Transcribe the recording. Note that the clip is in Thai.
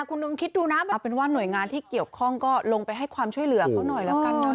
คุณลุงคิดดูนะแบบเอาเป็นว่าหน่วยงานที่เกี่ยวข้องก็ลงไปให้ความช่วยเหลือเขาหน่อยแล้วกันเนอ